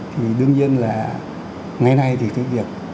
thì đương nhiên là ngày nay